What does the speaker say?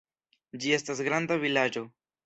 Ĝi estas granda vilaĝo.